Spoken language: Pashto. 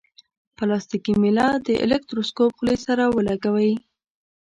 پلاستیکي میله د الکتروسکوپ خولې سره ولګوئ.